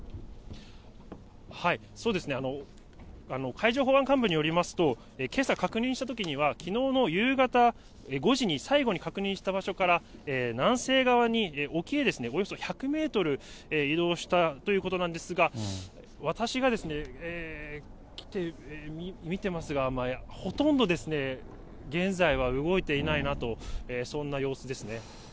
そうですね、海上保安監部によりますと、けさ確認したときには、きのうの夕方５時に最後に確認した場所から、南西側に、沖へおよそ１００メートル移動したということなんですが、私が来て見てますが、ほとんど現在は動いていないなと、そんな様子ですね。